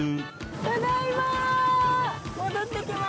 ただいま。